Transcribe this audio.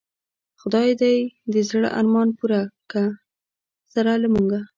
خدای دی د زړه ارمان پوره که سره له مونږه